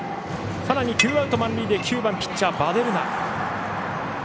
さらに、ツーアウト、満塁で９番ピッチャーのヴァデルナ。